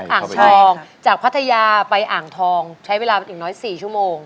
อ่างทองจากพัทยาไปอ่างทองใช้เวลาอีกน้อย๔ชั่วโมง